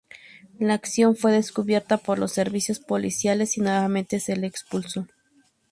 La acción fue descubierta por los servicios policiales y nuevamente se le expulsó.